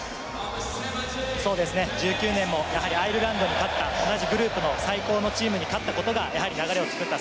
１９年もやはりアイルランドに勝った同じグループの最高のチームに勝ったことが流れを作った。